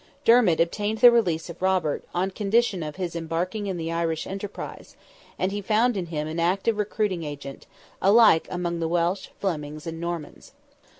Dermid obtained the release of Robert, on condition of his embarking in the Irish enterprise, and he found in him an active recruiting agent, alike among Welsh, Flemings, and Normans.